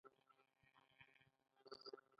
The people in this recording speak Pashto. زه هره ورځ لږ تر لږه شپږ ساعته درس وایم